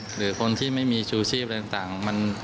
หรือคนที่ไม่มีชูชีพอะไรต่าง